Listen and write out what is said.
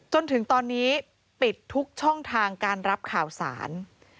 จนถึงตอนนี้ปิดทุกช่องทางการรับข่าวสาร